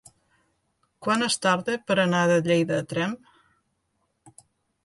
Quant es tarda per anar de Lleida a Tremp?